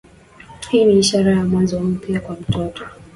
Hii ni ishara ya mwanzo mpya kwa mtoto